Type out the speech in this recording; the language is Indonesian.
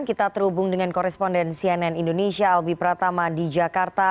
kita terhubung dengan koresponden cnn indonesia albi pratama di jakarta